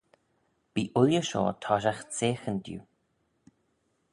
Bee ooilley shoh toshiaght seaghyn diu.